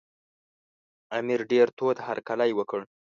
امیر ډېر تود هرکلی وکړ.